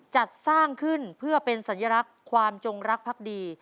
จัดสร้างขึ้นเพื่อเป็นสัญลักษณ์ความจงรักพักดี